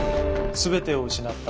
すべてを失った。